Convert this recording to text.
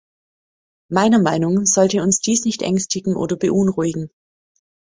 Meiner Meinung sollte uns dies nicht ängstigen oder beunruhigen.